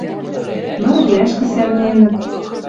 Нырвлӓшкӹ сӓрненӹт.